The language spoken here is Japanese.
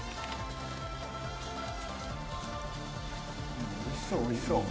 「うんおいしそうおいしそう」